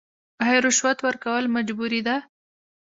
آیا رشوت ورکول مجبوري ده؟